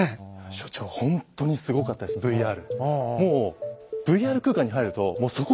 所長ほんとにすごかったですＶＲ。